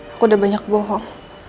aku udah banyak bohong